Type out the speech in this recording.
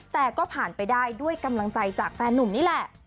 แต่ก็ผ่านไปได้ด้วยกำลังใจจากแฟนนุ่มนี่แหละ